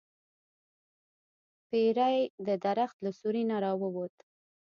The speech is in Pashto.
پیری د درخت له سوری نه راووت.